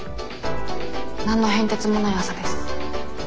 何の変哲もない朝です。